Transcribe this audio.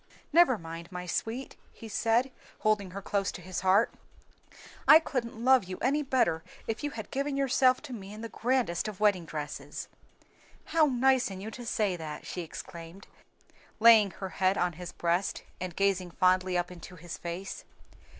"Never mind, my sweet," he said, holding her close to his heart "I couldn't love you any better if you had given yourself to me in the grandest of wedding dresses." "How nice in you to say that!" she exclaimed, laying her head on his breast and gazing fondly up into his face.